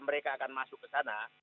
mereka akan masuk ke sana